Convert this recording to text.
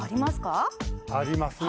あるありますね